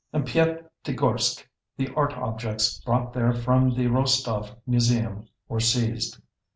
In Pyatigorsk the art objects brought there from the Rostov museum were seized.